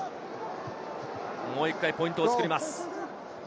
もう１回ポイントを作ります。